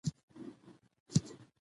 زموږ په ټولنه کې ډیر ناسم رواجونه شته